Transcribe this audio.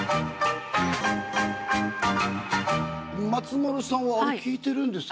松丸さんはあれ聞いてるんですか？